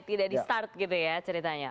tidak di start gitu ya ceritanya